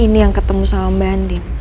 ini yang ketemu sama mbak andi